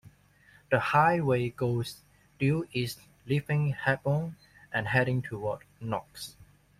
The highway goes due east leaving Hebron and heading toward Knox.